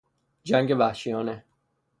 جنگ وحشیانه